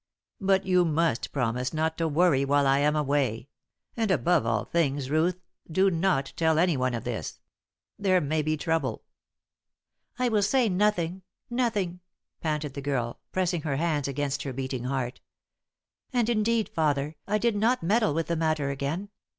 But you must promise not to worry while I am away; and above all things, Ruth, do not tell anyone of this. There may be trouble." "I will say nothing nothing," panted the girl, pressing her hands against her beating heart. "And, indeed, father, I did not meddle with the matter again.